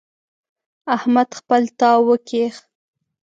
احمد خپل تاو وکيښ.